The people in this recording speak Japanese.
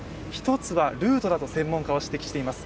１つはルートだと専門家は指摘しています。